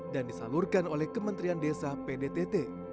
dan disalurkan oleh kementerian desa pdtt